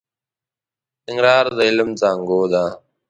ننګرهار د علم زانګو ده.